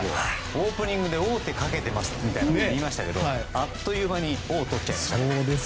オープニングで王手をかけていますと言いましたがあっという間に王をとっちゃいました。